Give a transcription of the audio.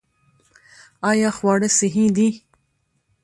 آیا خواړه صحي دي؟